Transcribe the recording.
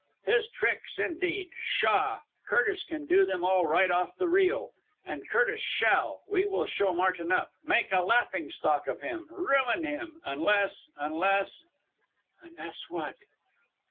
His tricks indeed! Pshaw! Curtis can do them all right off the reel! And Curtis shall we will show Martin up make a laughing stock of him ruin him! Unless unless " "Unless what?"